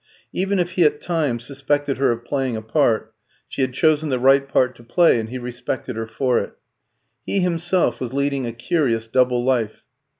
Even if he at times suspected her of playing a part, she had chosen the right part to play, and he respected her for it. He himself was leading a curious double life.